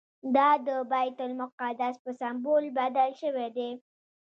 دا د بیت المقدس په سمبول بدل شوی دی.